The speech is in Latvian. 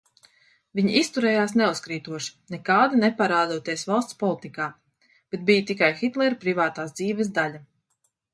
Viņa izturējās neuzkrītoši, nekādi neparādoties valsts politikā, bet bija tikai Hitlera privātās dzīves daļa.